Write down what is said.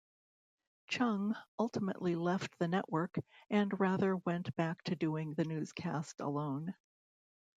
Chung ultimately left the network, and Rather went back to doing the newscast alone.